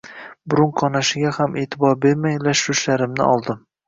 Burun qonashiga ham eʼtibor bermay lash-lushlarimni oldim.